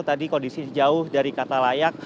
tadi kondisi jauh dari kata layak